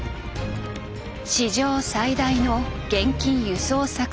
史上最大の現金輸送作戦。